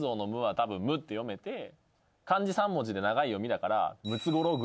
漢字３文字で長い読みだから。